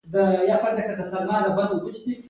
بهاولپور واکمن تسلیم شو.